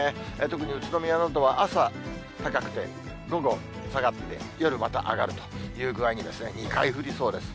特に、宇都宮などは朝高くて、午後下がって、夜また上がるという具合に、２回降りそうです。